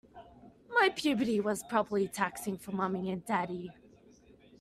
My puberty was probably taxing for mommy and daddy.